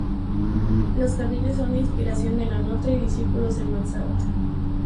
Los jardines son de inspiración de Le Nôtre y discípulos en Mansart.